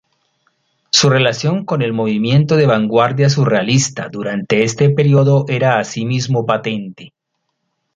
Su relación con el movimiento de vanguardia surrealista durante este periodo era asimismo patente.